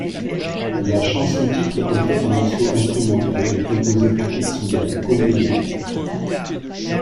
La chanson-titre est en fait un morceau instrumental composé par Tetsuya Komuro.